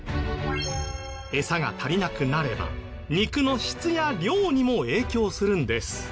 エサが足りなくなれば肉の質や量にも影響するんです。